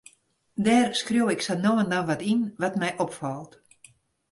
Dêr skriuw ik sa no en dan wat yn, wat my opfalt.